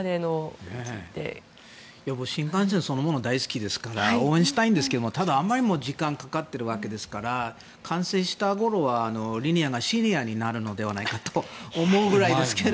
新幹線そのもの大好きですから応援したいんですがあまりにも時間がかかっているわけですから完成したころはリニアがシニアになるのではないかと思うんですが。